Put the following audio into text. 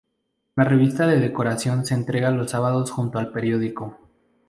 La revista de decoración se entrega los sábados junto al periódico.